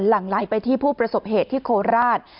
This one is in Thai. หลังไหลไปที่ผู้ประสบเหตุที่โคราช